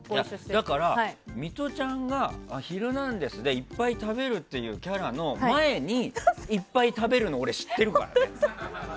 だからミトちゃんが「ヒルナンデス！」でいっぱい食べるキャラの前にいっぱい食べるのを俺、知ってるからね。